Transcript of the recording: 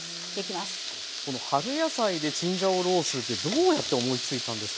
この春野菜でチンジャオロースーってどうやって思いついたんですか？